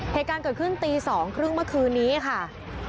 เหตุการณ์เกิดขึ้นตี๒๓๐เมื่อคืนนี้ค่ะ